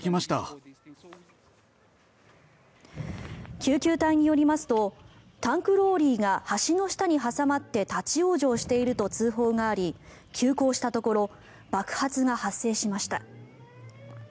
救急隊によりますとタンクローリーが橋の下に挟まって立ち往生していると通報があり急行したところ爆発が発生しました。